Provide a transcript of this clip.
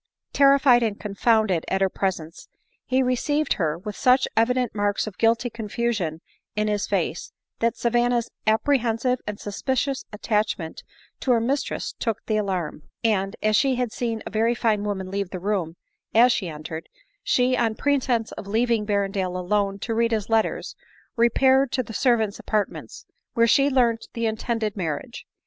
Terrified and confounded at her presence, he received her with such evident marks of guilty confusion in his face, that Savanna's apprehensive and suspicious attach ment to her mistress took the alarm ; ana, as she had seen a very fine woman leave the room as she entered, she, on pretence of leaving Berrendale alone to read his letters, repaired to the servants' apartments, where she learnt the intended marriage.